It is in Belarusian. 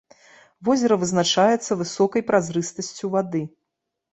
Возера вызначаецца высокай празрыстасцю вады.